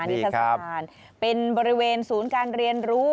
นิทัศกาลเป็นบริเวณศูนย์การเรียนรู้